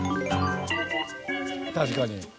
確かに。